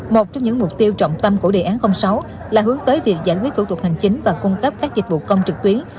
một trong những mục tiêu trọng tâm của đề án sáu là hướng tới việc giải quyết thủ tục hành chính và cung cấp các dịch vụ công trực tuyến